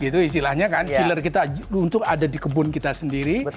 chiller kita untung ada di kebun kita sendiri